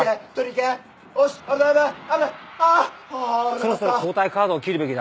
そろそろ交代カードを切るべきだ。